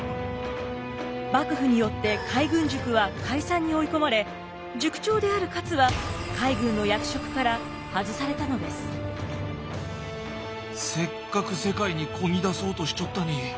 幕府によって海軍塾は解散に追い込まれ塾長である勝はせっかく世界にこぎ出そうとしちょったに。